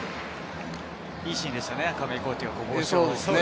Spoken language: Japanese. いいシーンでしたよね。